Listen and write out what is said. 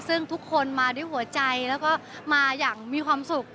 ซึ่งทุกคนมาด้วยหัวใจแล้วก็มาอย่างมีความสุข